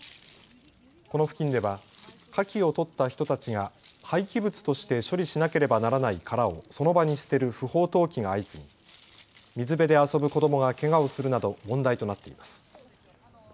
この付近ではかきを採った人たちが廃棄物として処理しなければならない殻をその場に捨てる不法投棄が相次ぎ水辺で遊ぶ子どもがけがをするなど問題となっています。